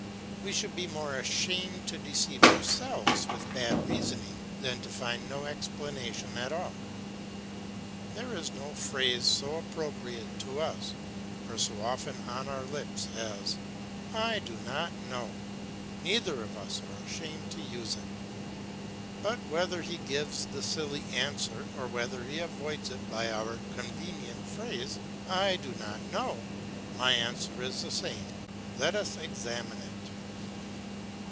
We should be more ashamed to deceive ourselves with bad reasoning, than to find no explanation at all. There is no phrase so appropriate to us, or so often on our lips, as, "I do not know;" neither of us are ashamed to use it. But whether he gives the silly answer or whether he avoids it by our convenient phrase "I do not know," my answer is the same. "Let us examine it."